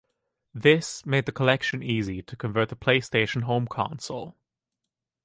This made the collection easy to convert to the PlayStation home console.